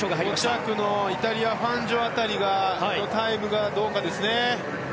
５着のイタリアファンジョのタイムがどうかですね。